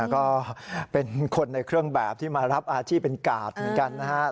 ก็เป็นคนในเครื่องแบบที่มารับอาชีพเป็นกาดเหมือนกันนะครับ